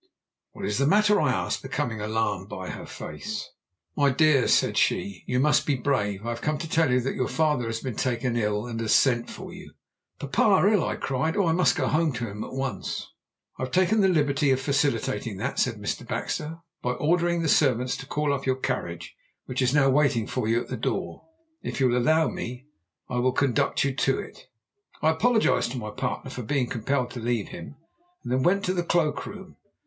"'What is the matter?' I asked, becoming alarmed by her face. "'My dear,' said she, 'you must be brave. I have come to tell you that your father has been taken ill, and has sent for you.' "'Papa ill!' I cried. 'Oh, I must go home to him at once' "'I have taken the liberty of facilitating that,' said Mr. Baxter, 'by ordering the servants to call up your carriage, which is now waiting for you at the door. If you will allow me, I will conduct you to it?' "I apologized to my partner for being compelled to leave him, and then went to the cloak room.